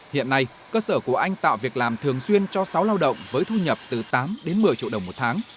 hiện nay cơ sở của anh tạo việc làm thường xuyên cho sáu lao động với thu nhập từ tám đến một mươi triệu đồng một tháng